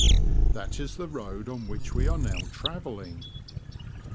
That is the road on which we are now travelling.